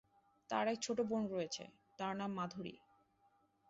তার এক ছোট বোন রয়েছে, তার নাম মাধুরী।